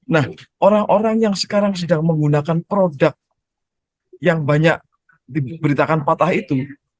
nah orang orang yang sekarang sedang menggunakan produk yang banyak diberitakan patah itu